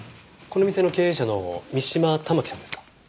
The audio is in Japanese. この店の経営者の三島環さんですか？